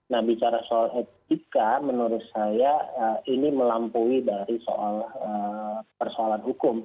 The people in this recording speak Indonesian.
nah bicara soal etika menurut saya ini melampaui dari soal persoalan hukum